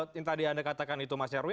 yang tadi anda katakan itu mas nyarwi